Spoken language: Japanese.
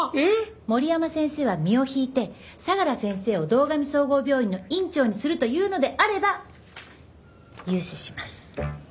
森山先生は身を引いて相良先生を堂上総合病院の院長にするというのであれば融資します。